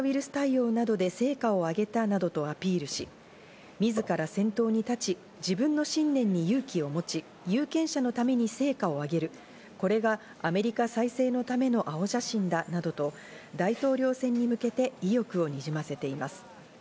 またフロリダ州知事として新型コロナウイルス対応などで成果を挙げたなどとアピールし、自ら先頭に立ち、自分の信念に勇気を持ち、有権者のために成果を上げる、これがアメリカ再生のための青写真だなどと大統領選に向けて意欲をにじませています。